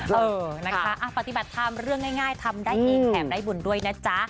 เออนะคะปฏิบัติธรรมเรื่องง่ายทำได้เองแถมได้บุญด้วยนะจ๊ะ